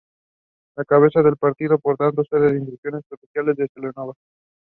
Pickerill studied geography at the Newcastle University.